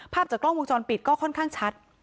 ภาพจากกล้องวงจรปิดก็ค่อนข้างชัด